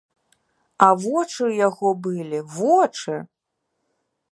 А вочы ў яго былі, вочы!